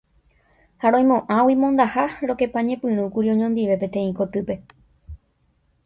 Ha roimo'ãgui mondaha rokepañepyrũkuri oñondive peteĩ kotýpe.